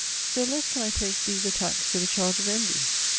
Still less can I place these attacks to the charge of envy.